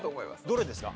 どれですか？